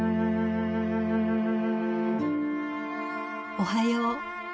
「おはよう。